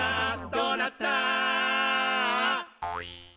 「どうなった？」